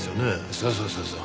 そうそうそうそう。